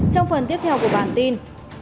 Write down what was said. trong phần tiếp theo của bản tin